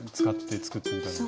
使って作ってみた。